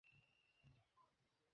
নিজেকে আবার কিশোর মনে হচ্ছে।